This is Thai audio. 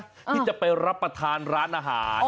ที่จะไปรับประทานร้านอาหาร